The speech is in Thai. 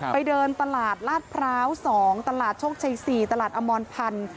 ไปเดินตลาดลาดพร้าว๒ตลาดโชคชัย๔ตลาดอมรพันธ์